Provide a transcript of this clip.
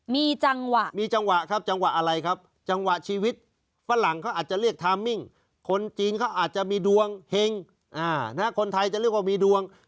มีจังหวะมีจังหวะครับจังหวะอะไรครับจังหวะชีวิตฝรั่งเขาอาจจะเรียกไทมมิ่งคนจีนเขาอาจจะมีดวงเห็งคนไทยจะเรียกว่ามีดวง